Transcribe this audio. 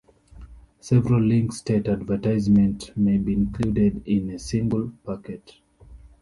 Several link-state advertisement may be included in a single packet.